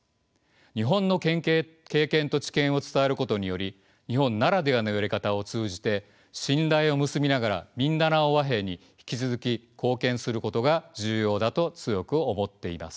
日本の経験と知見を伝えることにより日本ならではのやり方を通じて信頼を結びながらミンダナオ和平に引き続き貢献することが重要だと強く思っています。